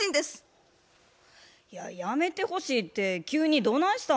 いややめてほしいって急にどないした？